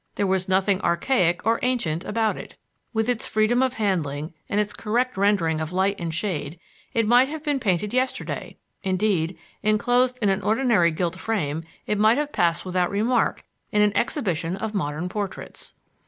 There was nothing archaic or ancient about it. With its freedom of handling and its correct rendering of light and shade, it might have been painted yesterday; indeed, enclosed in an ordinary gilt frame, it might have passed without remark in an exhibition of modern portraits.